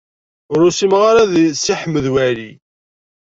Ur usimeɣ ara deg Si Ḥmed Waɛli.